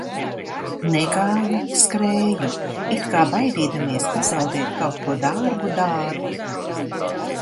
Negāju, skrēju it kā baidīdamies pazaudēt kaut ko dārgu, dārgu.